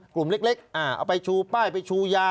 กลุ่มเล็กเอาไปชูป้ายไปชูยา